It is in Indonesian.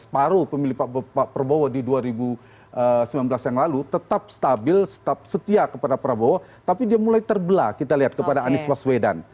separuh pemilih pak prabowo di dua ribu sembilan belas yang lalu tetap stabil tetap setia kepada prabowo tapi dia mulai terbelah kita lihat kepada anies baswedan